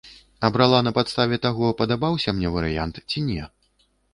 Абірала на падставе таго, падабаўся мне варыянт ці не.